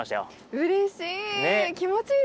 うれしい！